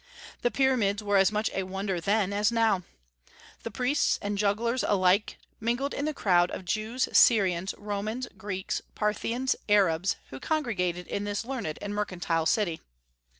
The pyramids were as much a wonder then as now. The priests and jugglers alike mingled in the crowd of Jews, Syrians, Romans, Greeks, Parthians, Arabs, who congregated in this learned and mercantile city.